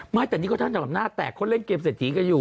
ไม่แต่นี่ค้าถ้าแบบหน้าแตกเขาเล่นเกมเสร็จถึงกันอยู่